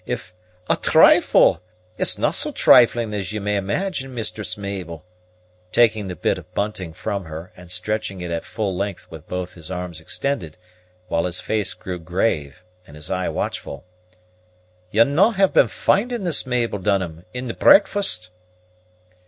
If " "A trifle! It's no' so trifling as ye may imagine, Mistress Mabel," taking the bit of bunting from her, and stretching it at full length with both his arms extended, while his face grew grave and his eye watchful. "Ye'll no' ha' been finding this, Mabel Dunham, in the breakfast?"